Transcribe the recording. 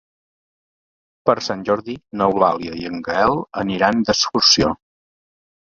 Per Sant Jordi n'Eulàlia i en Gaël aniran d'excursió.